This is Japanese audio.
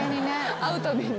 会うたびに。